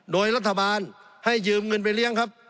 โดยรัฐบาลให้ยืมเงินไปเลี้ยงครับ